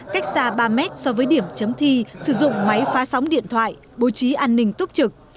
cách xa ba mét so với điểm chấm thi sử dụng máy phá sóng điện thoại bố trí an ninh tốt trực